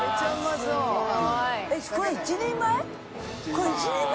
これ１人前？